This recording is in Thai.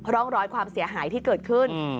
ร่องรอยความเสียหายที่เกิดขึ้น